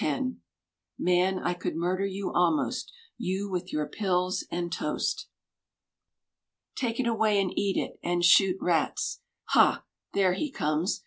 • Man, I could murder you almost, You with your pills and toast. iZ7i Take it away and eat it, and shoot rats. Hal there he comes.